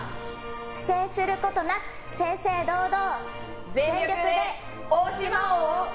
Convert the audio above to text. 不正することなく正々堂々。